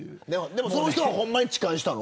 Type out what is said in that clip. でもその人はほんまに痴漢したの。